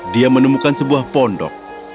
dia menemukan sebuah pondok